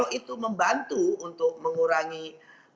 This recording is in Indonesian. ya kalau itu membantu untuk mengurangi pengangguran